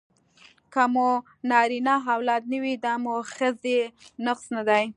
که مو نرینه اولاد نه وي دا مو د ښځې نقص نه دی